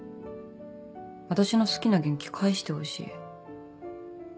私の好きな元気を返してほしい。